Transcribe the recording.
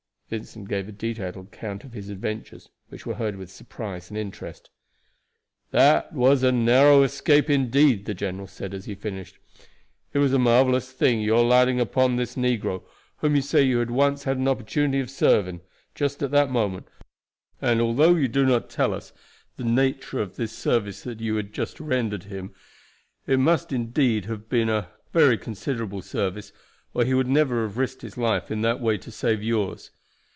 Vincent gave a detailed account of his adventures, which were heard with surprise and interest. "That was a narrow escape, indeed," the general said, as he finished. "It was a marvelous thing your lighting upon this negro, whom you say you had once had an opportunity of serving, just at that moment; and although you do not tell us what was the nature of the service you had rendered him, it must have been a very considerable service or he would never have risked his life in that way to save yours.